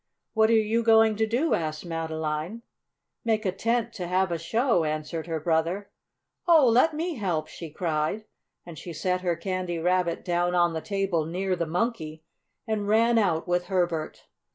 "What are you going to do?" asked Madeline. "Make a tent to have a show," answered her brother. "Oh, let me help!" she cried, and she set her Candy Rabbit down on the table near the Monkey and ran out with Herbert.